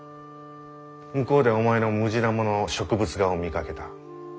向こうでお前のムジナモの植物画を見かけた。